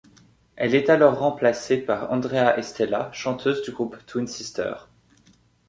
Elle est alors remplacée par Andrea Estella, chanteuse du groupe Twin Sister.